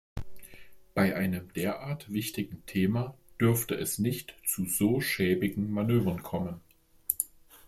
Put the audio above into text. Bei einem derart wichtigen Thema dürfte es nicht zu so schäbigen Manövern kommen.